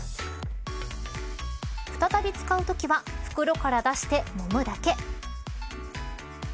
再び使うときは袋から出して、もむだけ。